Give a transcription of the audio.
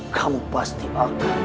kamu pasti akan